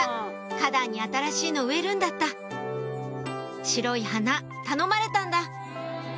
花壇に新しいの植えるんだった白い花頼まれたんだ！